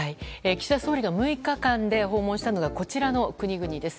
岸田総理が６日間で訪問したのがこちらの国々です。